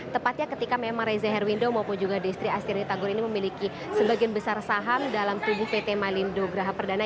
tepatnya ketika memang reza herwindo maupun juga destri astiri tagor ini memiliki sebagian besar saham dalam tubuh pt malindo graha perdana